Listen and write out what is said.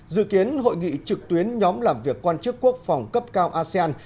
dự kiến hội nghị trực tuyến nhóm làm việc quan chức quốc phòng cấp cao asean